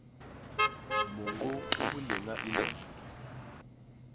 Môñgô u biléña i lom.